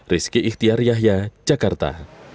rizky ikhtiar yahya jakarta